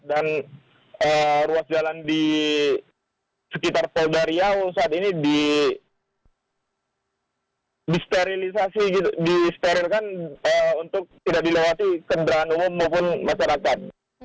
dan ruas jalan di sekitar polda riau saat ini disterilisasi disterilkan untuk tidak dilewati kendaraan umum maupun masyarakat